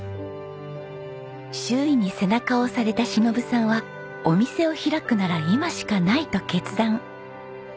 周囲に背中を押された忍さんはお店を開くなら今しかないと決断。